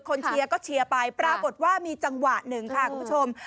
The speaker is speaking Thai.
เชียร์ก็เชียร์ไปปรากฏว่ามีจังหวะหนึ่งค่ะคุณผู้ชม